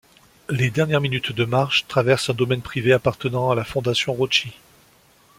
Les dernières minutes de marche traversent un domaine privé appartenant à la Fondation Ronchi.